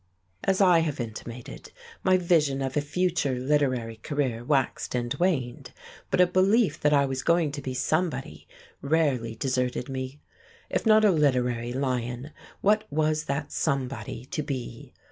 As I have intimated, my vision of a future literary career waxed and waned, but a belief that I was going to be Somebody rarely deserted me. If not a literary lion, what was that Somebody to be?